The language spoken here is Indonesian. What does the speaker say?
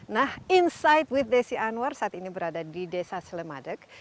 nah insight with desi anwar saat ini berada di desa slemadeg